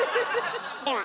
では。